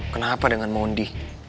kenapa dengan mondi